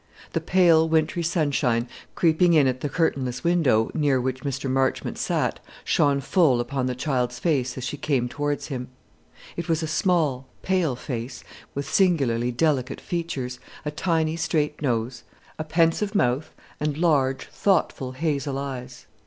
The pale wintry sunshine, creeping in at the curtainless window near which Mr. Marchmont sat, shone full upon the child's face as she came towards him. It was a small, pale face, with singularly delicate features, a tiny straight nose, a pensive mouth, and large thoughtful hazel eyes.